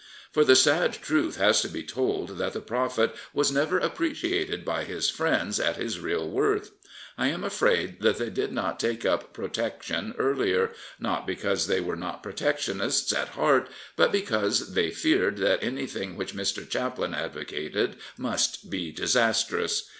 For the sad tmth has to be told that the prophet was never appreciated by his friends at his real worth. I am afraid that they did not take up Protection earlier, not because they were not Protectionists at heart, but because they feared that anything which Mr. Chaplin advocated must be disastrous.